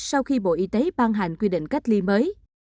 sau khi bộ y tế ban hành quy định cách ly mới